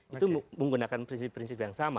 itu menggunakan prinsip prinsip yang sama